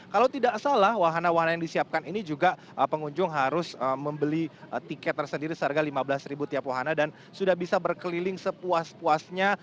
kalau tidak salah wahana wahana yang disiapkan ini juga pengunjung harus membeli tiket tersendiri seharga lima belas tiap wahana dan sudah bisa berkeliling sepuas puasnya